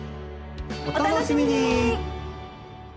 お楽しみに！